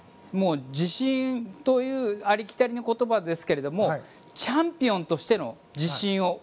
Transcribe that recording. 自信というありきたりな言葉ですけどもチャンピオンとしての自信を。